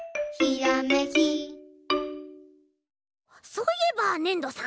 そういえばねんどさん？